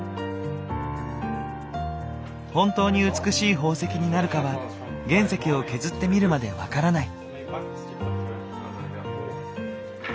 本当に美しい宝石になるかは原石を削ってみるまで分からない。